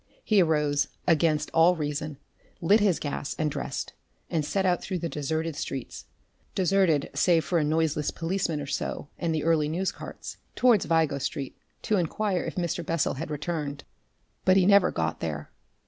He arose, against all reason, lit his gas, and dressed, and set out through the deserted streets deserted, save for a noiseless policeman or so and the early news carts towards Vigo Street to inquire if Mr. Bessel had returned. But he never got there.